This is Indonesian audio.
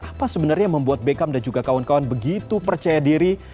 apa sebenarnya yang membuat beckham dan juga kawan kawan begitu percaya diri